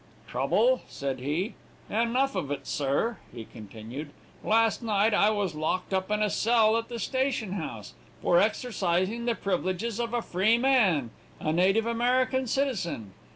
"'Trouble,' said he, 'enough of it. Sir,' he continued, 'last night I was locked up in a cell at the station house, for exercising the privileges of a freeman a native American citizen.